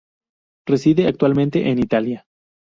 Reside actualmente en Italia.